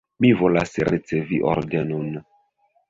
Mi volas ricevi ordenon.